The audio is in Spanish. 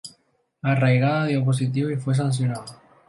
Arriagada dio positivo y fue sancionado.